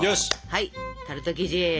はいタルト生地。